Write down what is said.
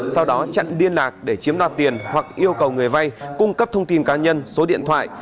sau đó chặn liên lạc để chiếm đoạt tiền hoặc yêu cầu người vay cung cấp thông tin cá nhân số điện thoại